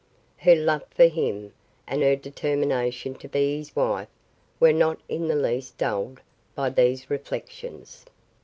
Her love for him and her determination to be his wife were not in the least dulled by these reflections.